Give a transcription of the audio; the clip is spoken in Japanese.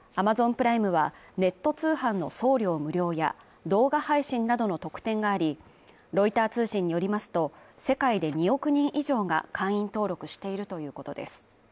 プライムはネット通販の送料無料や動画配信などの特典がありロイター通信によりますと、世界で２億人以上が会員登録しているということです。